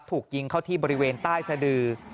ถูกยิงเข้าที่บริเวณใต้สะดือ